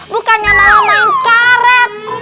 bukannya malah main karet